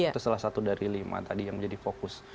itu salah satu dari lima tadi yang menjadi fokus